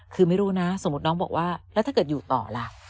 คือไม่รู้นะสมมุติน้องบอกว่าแล้วถ้าเกิดอยู่ต่อล่ะ